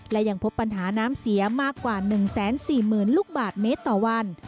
และยังพบปัญหาน้ำเสียมากกว่า๑๔๐๐๐ลูกบาทเมตรต่อวัน